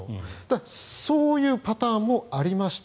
そういうパターンもありました。